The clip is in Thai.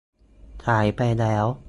สายไปแล้ว